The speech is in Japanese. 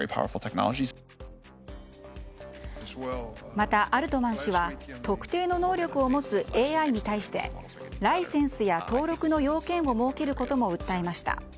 また、アルトマン氏は特定の能力を持つＡＩに対してライセンスや登録の要件を設けることも訴えました。